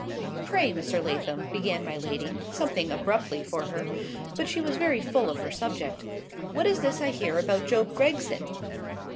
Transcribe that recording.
"Pray, Mr. Lathom," began my lady, something abruptly for her,—but she was very full of her subject,—"what is this I hear about Job Gregson?"